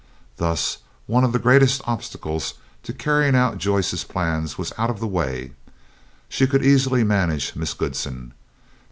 Thus one of the greatest obstacles to the carrying out of Joyce's plans was out of the way. She could easily manage Miss Goodsen.